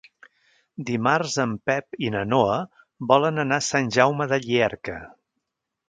Dimarts en Pep i na Noa volen anar a Sant Jaume de Llierca.